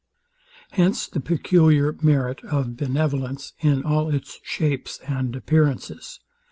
Hence the peculiar merit of benevolence in all its shapes and appearances.